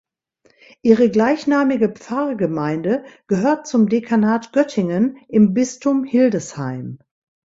Ihre gleichnamige Pfarrgemeinde gehört zum Dekanat Göttingen im Bistum Hildesheim.